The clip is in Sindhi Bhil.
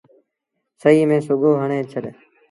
سُئيٚ ميݩ سڳو هڻي ڇڏ۔